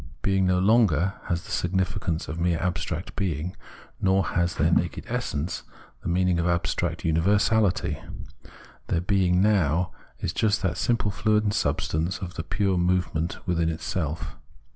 Being no longer has the significance of mere abstract being, nor has their naked essence the meaning of abstract universality : their being now is just that simple fluent substance of the pure movement within itself.